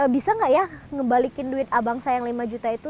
bisa nggak ya ngebalikin duit abang saya yang lima juta itu